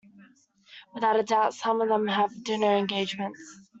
Without a doubt, some of them have dinner engagements.